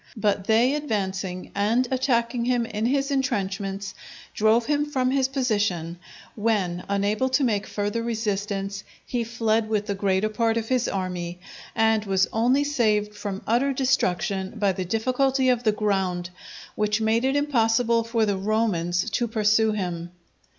But they advancing and attacking him in his intrenchments, drove him from his position; when, unable to make further resistance, he fled with the greater part of his army, and was only saved from utter destruction by the difficulty of the ground, which made it impossible for the Romans to pursue him.